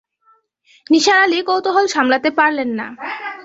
নিসার আলি কৌতূহল সামলাতে পারলেন না।